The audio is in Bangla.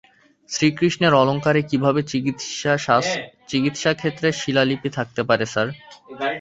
শ্রীকৃষ্ণের অলঙ্কারে কীভাবে চিকিৎসাক্ষেত্রের শিলালিপি থাকতে পারে স্যার?